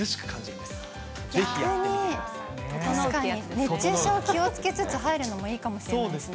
熱中症、気をつけつつ、入るのもいいかもしれないですね。